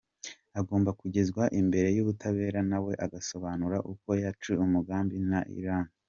agomba kugezwa imbere yUbutabera na we agasobanura uko yacuze umugambi na Iryn.